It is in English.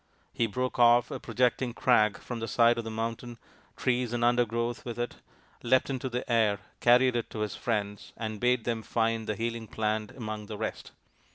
He broke off a projecting crag from the side of the mountain, trees and undergrowth with it, leapt into the air, carried it to his friends and bade them find the healing plant among the rest.